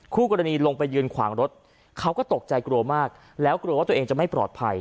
คู่กรณีลงไปยืนขวางรถเขาก็ตกใจกลัวมากแล้วกลัวว่าตัวเองจะไม่ปลอดภัย